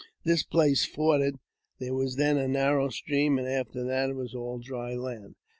This place forded, there was then a narrow stream, and after that it was all dry land.